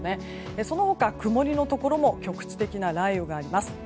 その他、曇りのところも局地的な雷雨があります。